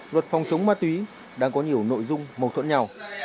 luật phòng chống ma túy đang có nhiều nội dung mâu thuẫn nhau